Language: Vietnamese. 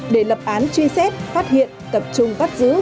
để lập án truy xét phát hiện tập trung bắt giữ